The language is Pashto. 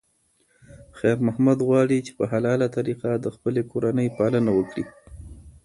خیر محمد غواړي چې په حلاله طریقه د خپلې کورنۍ پالنه وکړي.